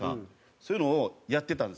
そういうのをやってたんですよ。